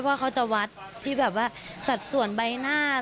เพราะว่าเขาจะวัดที่สัสส่วนใบหน้า